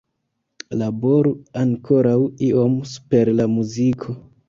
Laboru ankoraŭ iom super la muziko.